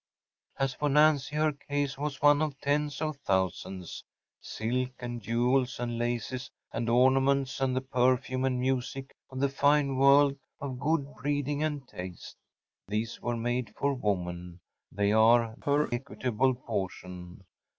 As for Nancy, her case was one of tens of thousands. Silk and jewels and laces and ornaments and the perfume and music of the fine world of good breeding and taste‚ÄĒthese were made for woman; they are her equitable portion.